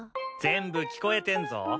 全部聞こえてんぞ。